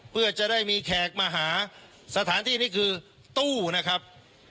เพื่อจะได้มีแขกมาหาสถานที่นี้คือตู้นะครับ